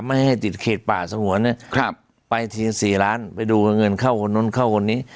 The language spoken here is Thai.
ไม่ให้ติดเขตป่าสักหัวเนี้ยครับไปสี่สี่ล้านไปดูเงินเข้าขนนู้นเข้าขนนี้